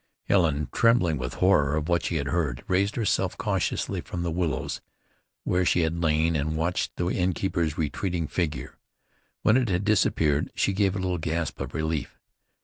Helen, trembling with horror of what she had heard, raised herself cautiously from the willows where she had lain, and watched the innkeeper's retreating figure. When it had disappeared she gave a little gasp of relief.